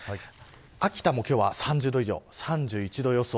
秋田も今日は３０度以上３１度予想。